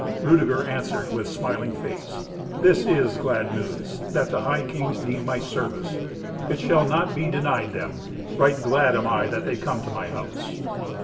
Rudeger answered with smiling face, "This is glad news, that the high kings need my service. It shall not be denied them. Right glad am I that they come to my house."